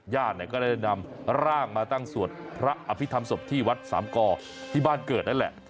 ญาติก็ได้นำร่างมาตั้งสวดพระอภิษฐรรมศพที่วัดสามกอที่บ้านเกิดนั่นแหละ